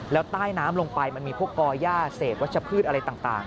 แล้วใต้น้ำลงไปมันมีพวกก่อย่าเศษวัชพืชอะไรต่าง